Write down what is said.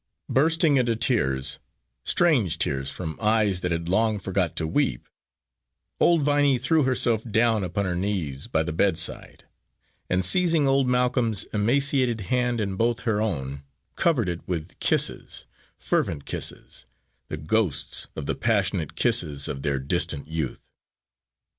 Bursting into tears strange tears from eyes that had long forgot to weep old Viney threw herself down upon her knees by the bedside, and seizing old Malcolm's emaciated hand in both her own, covered it with kisses, fervent kisses, the ghosts of the passionate kisses of their distant youth.